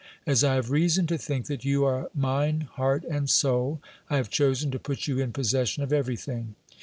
As I have reason to think that you are mine heart and soul, I have chosen to put you in possession of everything.